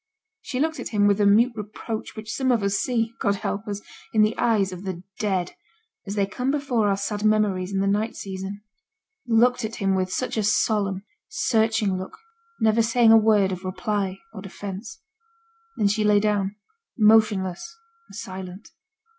She looked at him with the mute reproach which some of us see (God help us!) in the eyes of the dead, as they come before our sad memories in the night season; looked at him with such a solemn, searching look, never saying a word of reply or defence. Then she lay down, motionless and silent.